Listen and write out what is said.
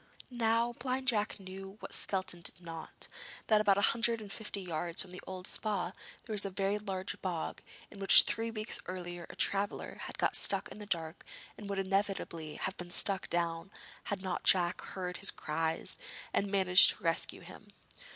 Now Blind Jack knew what Skelton did not, that about a hundred and fifty yards from the old Spa there was a very large bog, in which three weeks earlier a traveller had got stuck in the dark, and would inevitably have been sucked down had not Jack heard his cries and managed to rescue him.